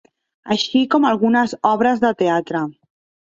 Així com algunes obres de teatre.